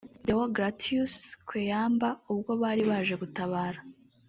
Deogratius Kweyamba ubwo bari baje gutabara